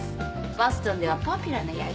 ボストンではポピュラーなやり方。